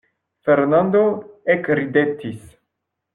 Fernando ekridetis.